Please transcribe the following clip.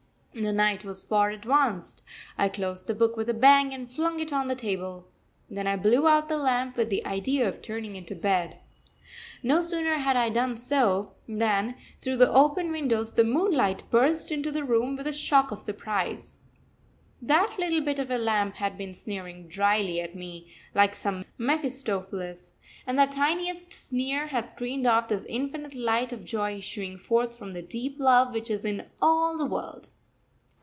The night was far advanced. I closed the book with a bang and flung it on the table. Then I blew out the lamp with the idea of turning into bed. No sooner had I done so than, through the open windows, the moonlight burst into the room, with a shock of surprise. That little bit of a lamp had been sneering drily at me, like some Mephistopheles: and that tiniest sneer had screened off this infinite light of joy issuing forth from the deep love which is in all the world.